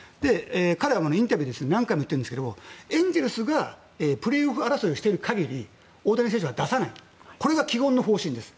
彼はインタビューで何回も言ってるんですけどエンゼルスがプレーオフ争いをしている限り大谷選手は出さないというのが基本の方針です。